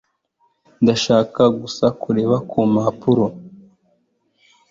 Ndashaka gusa kureba ku mpapuro.